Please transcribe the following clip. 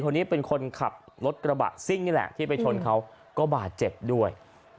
คนนี้เป็นคนขับรถกระบะซิ่งนี่แหละที่ไปชนเขาก็บาดเจ็บด้วย